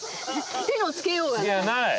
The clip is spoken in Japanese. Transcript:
手のつけようがない。